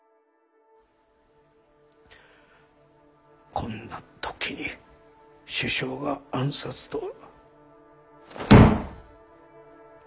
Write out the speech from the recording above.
こんな時に首相が暗殺とは。